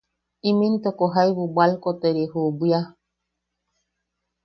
Im intoko jaibu bwalkoteri ju bwia.